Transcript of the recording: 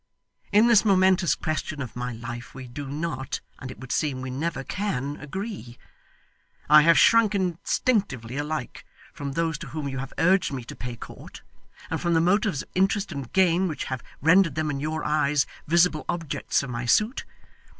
In this momentous question of my life we do not, and it would seem we never can, agree. I have shrunk instinctively alike from those to whom you have urged me to pay court, and from the motives of interest and gain which have rendered them in your eyes visible objects for my suit.